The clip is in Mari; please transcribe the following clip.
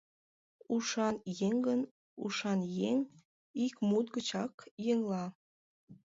Ушан еҥ гын, ушан еҥ: ик мут гычак ыҥла.